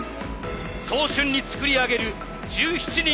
早春に作り上げる１７人の青春賦。